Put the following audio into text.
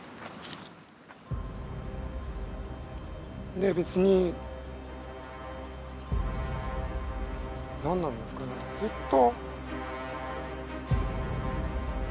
で別に何なんですかねずっと。